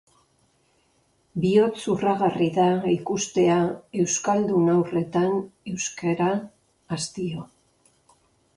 Bihotz-urragarri da ikustea euskaldun haurretan euskara hastio.